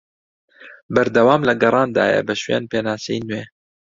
بەردەوام لە گەڕاندایە بە شوێن پێناسەی نوێ